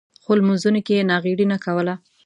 خو لمونځونو کې یې ناغېړي نه کوله.